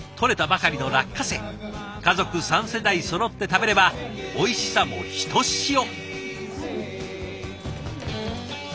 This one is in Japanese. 家族３世代そろって食べればおいしさもひとしお。